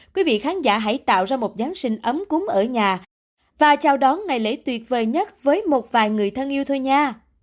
quý vị khán giả hãy tạo ra một giáng sinh ấm cúng ở nhà và chào đón ngày lễ tuyệt vời nhất với một vài người thân yêu thơ nhà